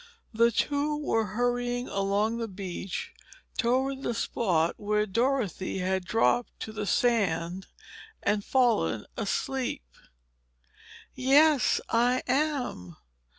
The two were hurrying along the beach toward the spot where Dorothy had dropped to the sand and fallen asleep. "Yes, I am."